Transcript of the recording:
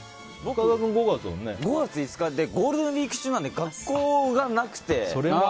ゴールデンウィーク中なので学校がなくて。